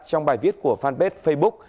trong bài viết của fanpage facebook